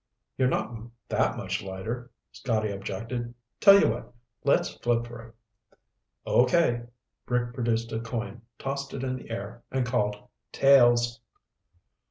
"You're not that much lighter," Scotty objected. "Tell you what, let's flip for it." "Okay." Rick produced a coin, tossed it in the air, and called, "Tails."